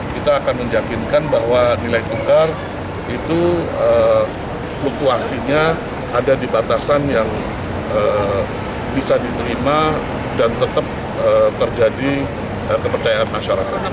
kita akan meyakinkan bahwa nilai tukar itu fluktuasinya ada di batasan yang bisa diterima dan tetap terjadi kepercayaan masyarakat